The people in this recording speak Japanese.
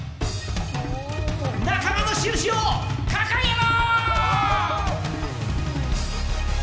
仲間の印を掲げろ！！